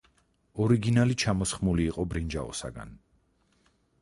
ორიგინალი ჩამოსხმული იყო ბრინჯაოსაგან.